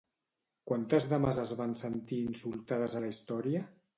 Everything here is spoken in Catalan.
Quantes dames es van sentir insultades a la història?